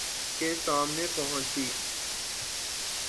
کے سامنے پہنچی